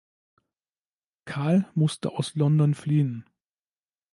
Karl musste aus London fliehen.